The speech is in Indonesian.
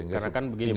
karena kan begini pak